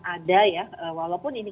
ada ya walaupun ini